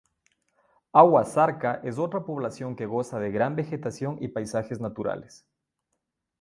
Agua Zarca es otra población que goza de gran vegetación y paisajes naturales.